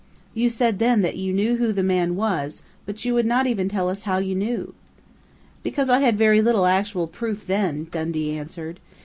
You said then you knew who the man was but you would not even tell us how you knew " "Because I had very little actual proof then," Dundee answered.